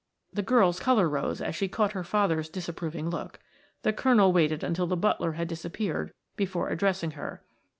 The girl's color rose as she caught her father's disapproving look. The colonel waited until the butler had disappeared before addressing her.